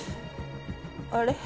あれ？